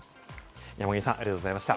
山神さん、ありがとうございました。